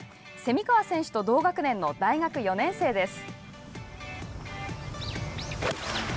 蝉川選手と同学年の大学４年生です。